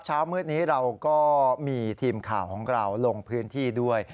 เช้ามืดนี้เราก็มีทีมข่าวของเราลงพื้นที่ด้วย